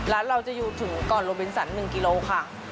ร้านเราจะอยู่ถึงก่อนโรบินสัน๑กิโลค่ะ